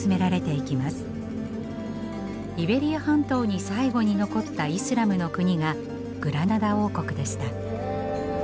イベリア半島に最後に残ったイスラムの国がグラナダ王国でした。